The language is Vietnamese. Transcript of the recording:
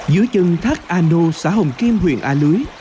dưới chân thác an nô xã hồng kim huyện a lưới